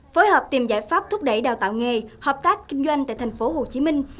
phối hợp tìm giải pháp thúc đẩy đào tạo nghề hợp tác kinh doanh tại thành phố hồ chí minh